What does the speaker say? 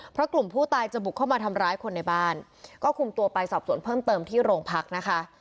เพราะกลุ่มผู้ตายจะบุกเข้ามาทำร้ายคนในบ้านก็คุมตัวไปสอบสวนเพิ่มเติมที่โรงพักนะคะ